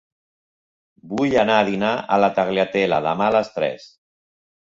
Vull anar a dinar a la Tagliatella demà a les tres.